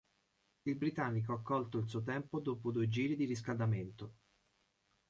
Il britannico ha colto il suo tempo dopo due giri di riscaldamento.